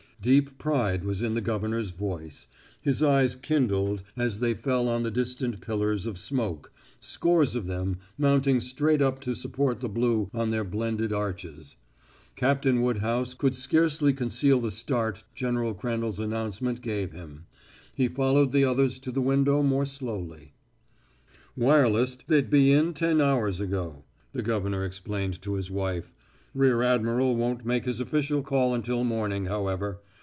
Deep pride was in the governor's voice. His eyes kindled as they fell on the distant pillars of smoke scores of them mounting straight up to support the blue on their blended arches. Captain Woodhouse could scarcely conceal the start General Crandall's announcement gave him. He followed the others to the window more slowly. "Wirelessed they'd be in ten hours ago," the governor explained to his wife. "Rear admiral won't make his official call until morning, however.